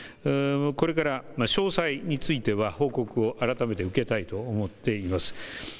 これから詳細については報告を改めて受けたいと思っています。